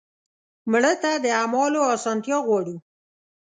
مړه ته د اعمالو اسانتیا غواړو